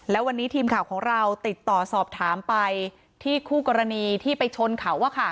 แล้ววันนี้ทีมข่าวของเราติดต่อสอบถามไปที่คู่กรณีที่ไปชนเขา